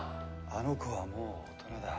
あの子はもう大人だ。